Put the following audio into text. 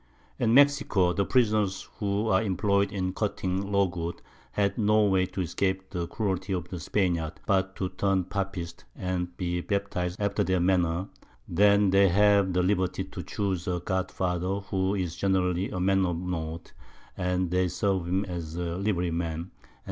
In Mexico, the Prisoners who are employ'd in cutting Logwood, have no way to escape the Cruelty of the Spaniards, but to turn Papists, and be baptized after their Manner; then they have the Liberty to chuse a Godfather, who is generally a Man of Note, and they serve him as Liverymen, _&c.